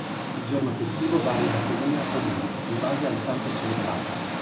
Il giorno festivo varia da comune a comune, in base al santo celebrato.